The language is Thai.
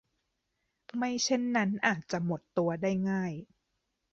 ไม่เช่นนั้นอาจจะหมดตัวได้ง่าย